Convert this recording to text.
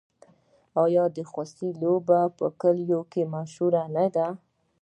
آیا د خوسي لوبه په کلیو کې مشهوره نه ده؟